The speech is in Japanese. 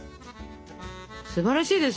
すばらしいです。